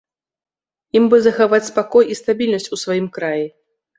Ім бы захаваць спакой і стабільнасць у сваім краі.